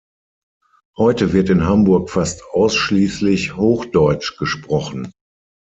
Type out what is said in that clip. Heute wird in Hamburg fast ausschließlich Hochdeutsch gesprochen.